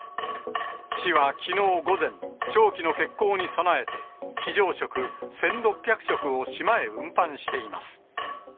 市はきのう午前、長期の欠航に備えて、非常食１６００食を島へ運搬しています。